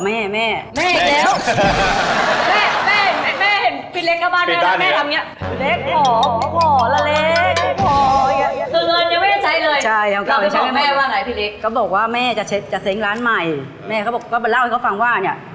เยอะเหรอค่ะ